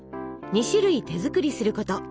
２種類手作りすること。